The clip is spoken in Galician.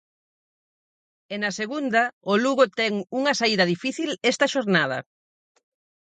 E na Segunda, o Lugo ten unha saída difícil esta xornada.